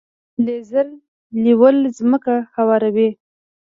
لیزر لیول ځمکه هواروي.